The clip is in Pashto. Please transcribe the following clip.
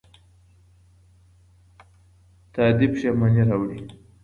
تادي پښيماني راوړي.